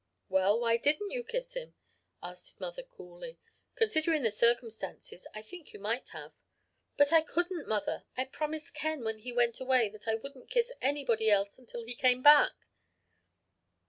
"'Well, why didn't you kiss him?' asked mother coolly. 'Considering the circumstances, I think you might have.' "'But I couldn't, mother I promised Ken when he went away that I wouldn't kiss anybody else until he came back.'